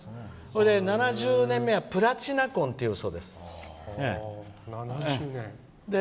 ７０年目はプラチナ婚というそうです。